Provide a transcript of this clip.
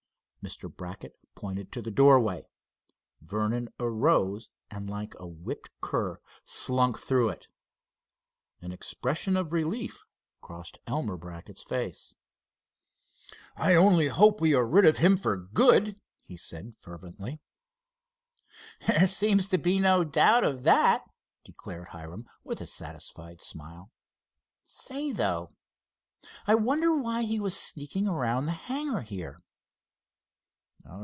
Mr. Brackett pointed to the doorway. Vernon arose and like a whipped cur slunk through it. An expression of relief crossed Elmer Brackett's face. "I only hope we are rid of him for good," he said, fervently. "There seems to be no doubt of that," declared Hiram, with a satisfied smile. "Say, though, I wonder why he was sneaking around the hangar here?"